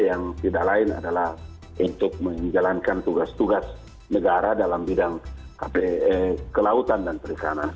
yang tidak lain adalah untuk menjalankan tugas tugas negara dalam bidang kelautan dan perikanan